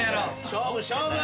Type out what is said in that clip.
勝負勝負。